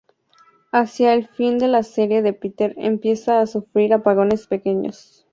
Hacia el final de la serie de Peter empieza a sufrir apagones pequeños.